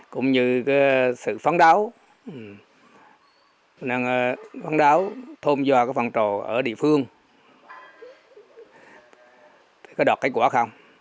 cũng như sự phấn đấu phấn đấu thôn do phân trò ở địa phương có đọt kết quả không